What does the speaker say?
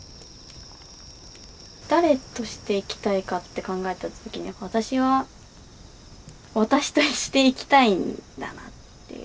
誰として生きたいかって考えたときに私は私として生きたいんだなっていう。